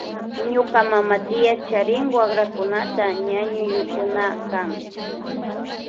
Ñuka mama tia charin wakrakunata ñañuyukuna kan.